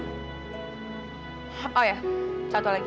kamu pohon atau aku karasi